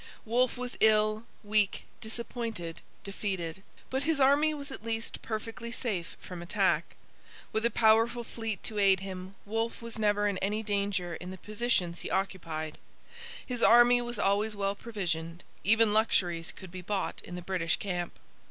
Wolfe was ill, weak, disappointed, defeated. But his army was at least perfectly safe from attack. With a powerful fleet to aid him Wolfe was never in any danger in the positions he occupied. His army was always well provisioned; even luxuries could be bought in the British camp.